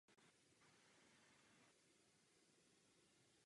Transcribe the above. V tomto roce se na startu objevil i jeho starší bratr Ian.